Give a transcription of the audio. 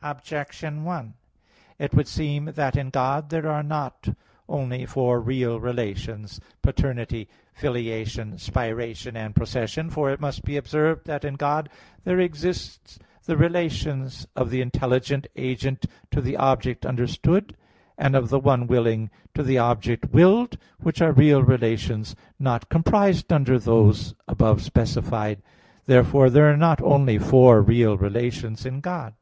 Objection 1: It would seem that in God there are not only four real relations paternity, filiation, spiration and procession. For it must be observed that in God there exist the relations of the intelligent agent to the object understood; and of the one willing to the object willed; which are real relations not comprised under those above specified. Therefore there are not only four real relations in God.